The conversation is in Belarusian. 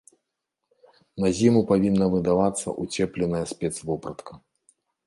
На зіму павінна выдавацца ўцепленая спецвопратка.